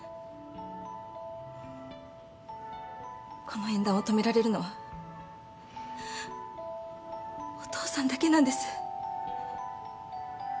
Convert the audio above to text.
この縁談を止められるのはお父さんだけなんです。